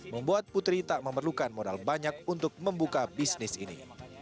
membuat putri tak memerlukan modal banyak untuk membuka bisnis ini